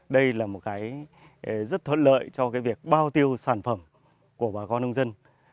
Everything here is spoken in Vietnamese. đây là một cái rất thuận lợi cho cái việc bao tiêu sản phẩm của bà con nông dân